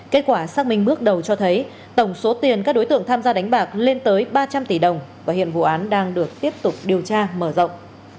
kết quả xác minh bước đầu cho thấy tổng số tiền các đối tượng tham gia đánh bạc lên tới ba trăm linh tỷ đồng và hiện vụ án đang được tiếp tục điều tra mở rộng